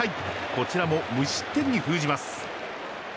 こちらも無失点に封じます。